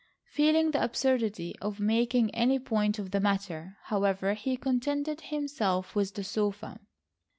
Feeling the absurdity of making any point of the matter, however, he contented himself with the sofa.